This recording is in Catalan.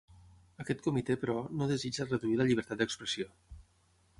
Aquest comitè, però, no desitja reduir la llibertat d'expressió